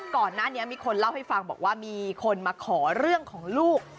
ก่อนหน้านี้มีคนเล่าให้ฟังบอกว่ามีคนมาขอเรื่องของลูก